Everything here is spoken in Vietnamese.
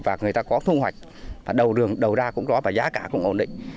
và người ta có thu hoạch đầu ra cũng có và giá cả cũng ổn định